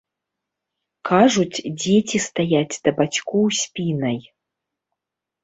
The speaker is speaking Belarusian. Кажуць, дзеці стаяць да бацькоў спінай.